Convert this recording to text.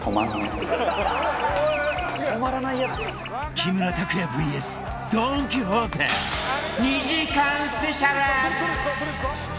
木村拓哉 ＶＳ ドン・キホーテ２時間スペシャル！